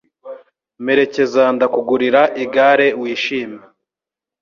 mperekeza ndakugurira igare wishime